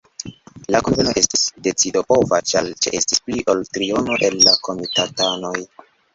La kunveno estis decidopova, ĉar ĉeestis pli ol triono el la komitatanoj.